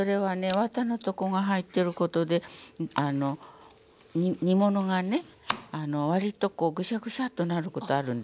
わたのとこが入ってることで煮物がね割とこうグシャグシャッとなることあるんですよ。